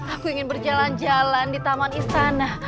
aku ingin berjalan jalan di taman istana